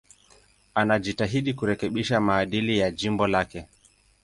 Alijitahidi kurekebisha maadili ya jimbo lake.